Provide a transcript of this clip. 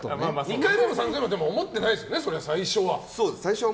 ２回目も３回目も思ってないですよね、最初は。